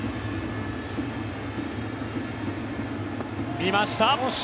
見ました！